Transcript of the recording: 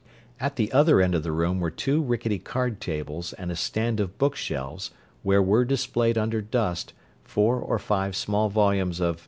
At the other end of the room were two rickety card tables and a stand of bookshelves where were displayed under dust four or five small volumes of M.